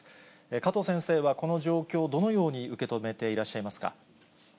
加藤先生はこの状況をどのように受け止めていらっしゃいますか。